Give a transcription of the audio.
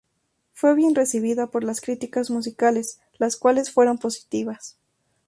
Fue bien recibida por las críticas musicales, las cuales fueron positivas.